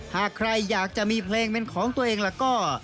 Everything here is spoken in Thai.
หากใครอยากจะมีเพลงเป็นของตัวเองล่ะก็